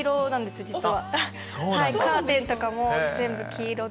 カーテンとかも全部黄色で。